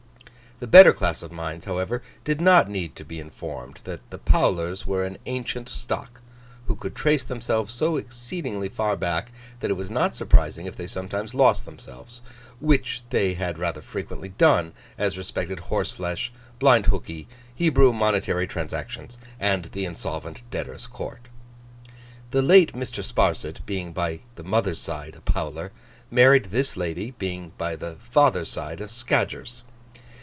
The better class of minds, however, did not need to be informed that the Powlers were an ancient stock, who could trace themselves so exceedingly far back that it was not surprising if they sometimes lost themselves—which they had rather frequently done, as respected horse flesh, blind hookey, Hebrew monetary transactions, and the Insolvent Debtors' Court. The late Mr. Sparsit, being by the mother's side a Powler, married this lady, being by the father's side a Scadgers.